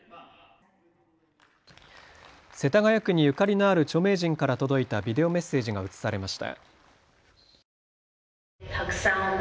世田谷区にゆかりのある著名人から届いたビデオメッセージが映されました。